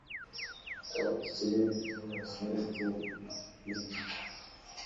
Орус тили биздин расмий тил экенин билем.